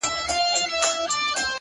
زه د بـلا سـره خـبري كـوم ـ